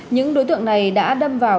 những đối tượng này đã đâm vào